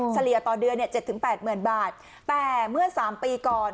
เสรียตอนเดือน๗๘หมื่นบาทแต่เมื่อ๓ปีก่อน